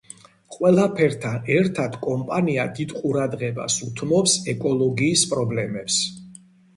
ყველაფერთან ერთად კომპანია დიდ ყურადღებას უთმობს ეკოლოგიის პრობლემებს.